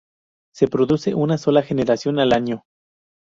Se produce una sola generación al año.